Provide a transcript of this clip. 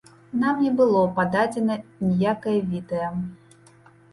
Нам не было пададзена ніякае відэа.